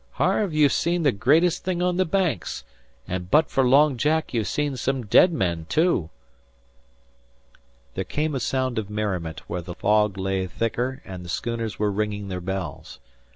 Harve, you've seen the greatest thing on the Banks; an' but for Long Jack you'd seen some dead men too." There came a sound of merriment where the fog lay thicker and the schooners were ringing their bells.